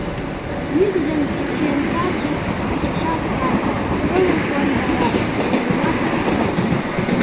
Мӱкш ден чечен садше ончашат сай, чоным куандарат, шкендымат пукшат.